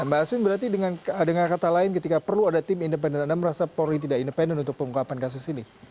mbak aswin berarti dengan kata lain ketika perlu ada tim independen anda merasa polri tidak independen untuk pengungkapan kasus ini